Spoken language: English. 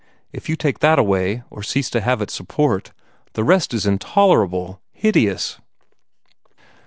If you take that away, or cease to have its support, the rest is intolerable, hideous."